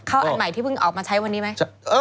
อันใหม่ที่เพิ่งออกมาใช้วันนี้ไหม